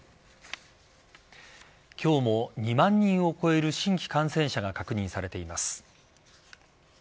今日も２万人を超える新規感染者が確認されています。